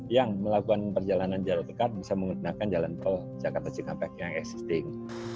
yang melakukan perjalanan jarak dekat bisa menggunakan jalan tol jakarta cikampek yang existing